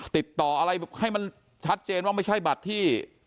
ติดต่ออะไรให้มันชัดเจนว่าไม่ใช่บัตรที่